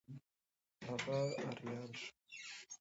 هغه آریان شو.